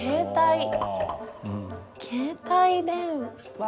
携帯電話？